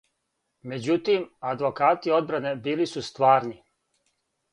Међутим, адвокати одбране били су стварни.